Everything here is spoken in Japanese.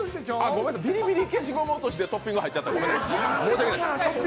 ごめんなさい、ビリビリ消しゴム落としでトッピング入っちゃった。